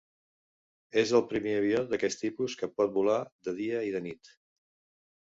És el primer avió d'aquest tipus que pot volar de dia i de nit.